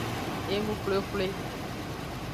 Enuxwlexwle.